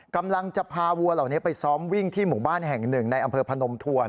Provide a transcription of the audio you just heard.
กำลังจะพาวัวเหล่านี้ไปซ้อมวิ่งที่หมู่บ้านแห่งหนึ่งในอำเภอพนมทวน